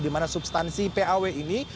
dimana substansi paw ini